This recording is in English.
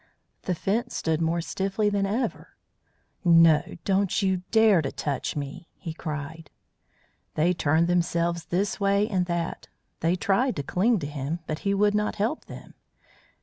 The Fence stood more stiffly than ever. "No! don't you dare to touch me!" he cried. They turned themselves this way and that, they tried to cling to him; but he would not help them.